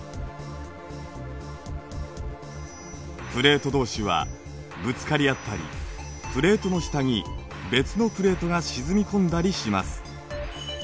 プレートどうしはぶつかりあったりプレートの下に別のプレートが沈み込んだりします。